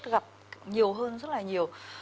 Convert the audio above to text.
gặp nhiều hơn rất là nhiều